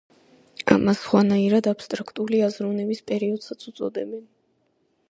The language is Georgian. ამას სხვანაირად აბსტრაქტული აზროვნების პერიოდსაც უწოდებენ.